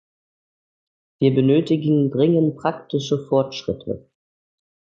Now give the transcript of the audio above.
Wir benötigen dringend praktische Fortschritte.